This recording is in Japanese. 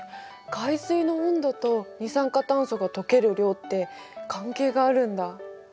海水の温度と二酸化炭素が溶ける量って関係があるんだ。